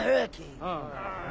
ああ。